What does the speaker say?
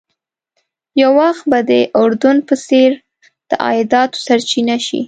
یو وخت به د اردن په څېر د عایداتو سرچینه شي.